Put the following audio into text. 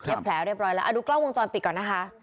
เอาดูกล้องวงจรปิดก่อนนะคะ